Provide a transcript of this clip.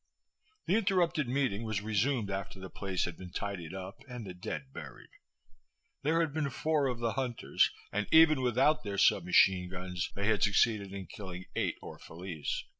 The interrupted meeting was resumed after the place had been tidied up and the dead buried. There had been four of the hunters, and even without their sub machine guns they had succeeded in killing eight Orphalese.